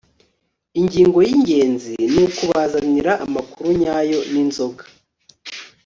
Ingingo yingenzi ni ukubazanira amakuru nyayo ninzoga